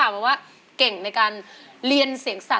กว่าจะจบรายการเนี่ย๔ทุ่มมาก